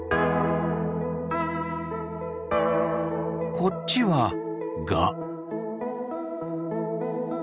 こっちはガ。